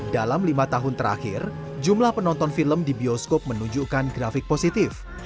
dalam lima tahun terakhir jumlah penonton film di bioskop menunjukkan grafik positif